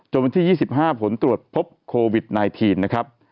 วันที่๒๕ผลตรวจพบโควิด๑๙นะครับ